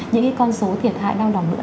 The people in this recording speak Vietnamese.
những cái con số thiệt hại đau lòng nữa